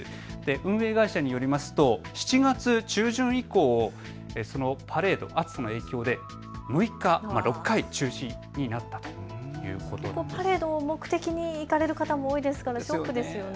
運営会社によりますと７月中旬以降、パレード、暑さの影響で６日、６回中止になったということでパレードを目的に行かれる方も多いですからショックですよね。